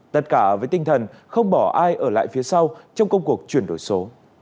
tất cả với tinh thần không bỏ ai ở lại phía sau trong công cuộc chuyển đổi số